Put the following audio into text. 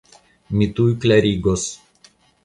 Mi tuj klarigos.